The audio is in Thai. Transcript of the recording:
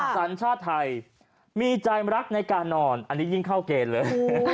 สัญชาติไทยมีใจรักในการนอนอันนี้ยิ่งเข้าเกณฑ์เลย